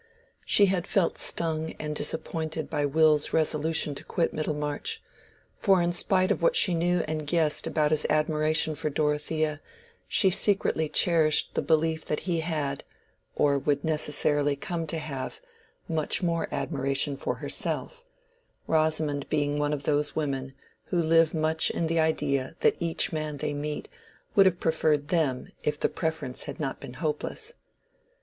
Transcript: She had felt stung and disappointed by Will's resolution to quit Middlemarch, for in spite of what she knew and guessed about his admiration for Dorothea, she secretly cherished the belief that he had, or would necessarily come to have, much more admiration for herself; Rosamond being one of those women who live much in the idea that each man they meet would have preferred them if the preference had not been hopeless.